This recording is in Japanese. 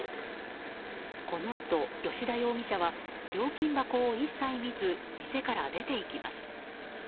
このあと吉田容疑者は料金箱を一切見ず店から出ていきます。